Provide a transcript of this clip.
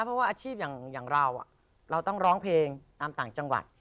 เพราะว่าอาชีพอย่างเราเราต้องร้องเพลงตามต่างจังหวัด